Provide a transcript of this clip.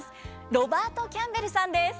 ロバート・キャンベルさんです。